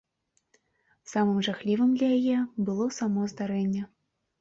Самым жахлівым для яе было само здарэнне.